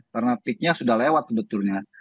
karena picknya sudah lewat sebetulnya